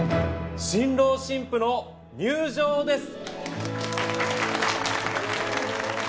新郎新婦の入場です。